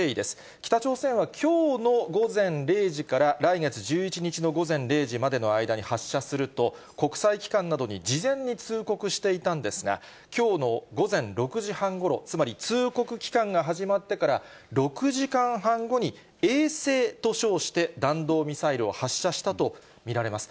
北朝鮮はきょうの午前０時から来月１１日の午前０時までの間に発射すると、国際機関などに事前に通告していたんですが、きょうの午前６時半ごろ、つまり通告期間が始まってから６時間半後に、衛星と称して弾道ミサイルを発射したと見られます。